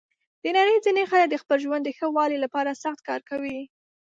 د نړۍ ځینې خلک د خپل ژوند د ښه والي لپاره سخت کار کوي.